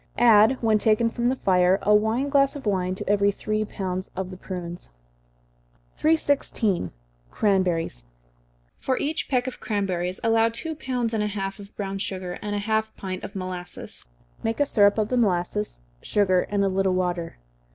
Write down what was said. Add, when taken from the fire, a wine glass of wine to every three pounds of the prunes. 316. Cranberries. For each peck of cranberries allow two pounds and a half of brown sugar, and half a pint of molasses. Make a syrup of the molasses, sugar, and a little water.